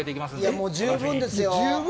もう十分ですよ。